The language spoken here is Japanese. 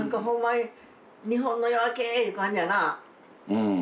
うん。